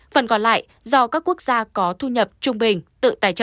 phần còn lại do các quốc gia có thu nhập trung bình tự tài trợ